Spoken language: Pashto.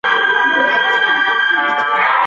په دې جزا سره به نور خلک په ظاهر نه غولیږي.